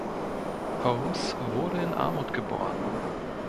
Holmes wurde in Armut geboren.